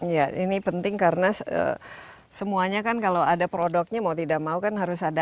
ya ini penting karena semuanya kan kalau ada produknya mau tidak mau kan harus ada